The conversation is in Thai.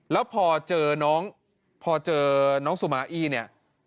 แล้วพอเจอน้องพอเจอน้องสุมาอี้เนี่ย